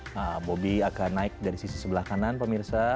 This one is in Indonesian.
nah bobby akan naik dari sisi sebelah kanan pemirsa